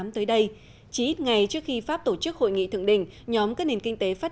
tới đây chỉ ít ngày trước khi pháp tổ chức hội nghị thượng đỉnh nhóm các nền kinh tế phát